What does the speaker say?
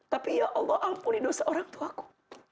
tapi ya allah ampuni dosa orang tuaku